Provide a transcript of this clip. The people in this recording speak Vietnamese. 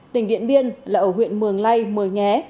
tỉnh điện biên là ở huyện mường lây mười nghé